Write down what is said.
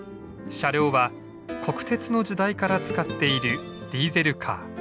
車両は国鉄の時代から使っているディーゼルカー。